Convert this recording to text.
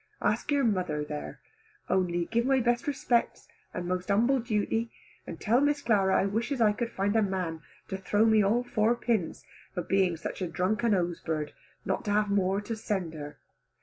Ask your mother there. Only give my best respects and most humble duty, and tell Miss Clara I wishes I could find a man to throw me all four pins, for being such a drunken hosebird not to have more to send her.